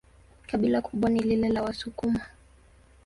Kabila kubwa ni lile la Wasukuma.